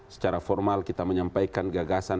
secara formal kita menyampaikan gagasan